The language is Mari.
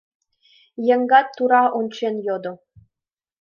— Йыгнат тура ончен йодо.